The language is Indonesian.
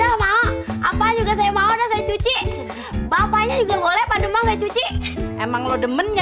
udah mau apaan juga saya mau udah saya cuci bapaknya juga boleh pak demang cuci emang lo demennya